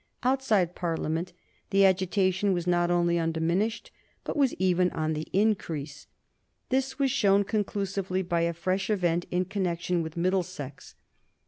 Outside Parliament the agitation was not only undiminished, but was even on the increase. This was shown conclusively by a fresh event in connection with Middlesex.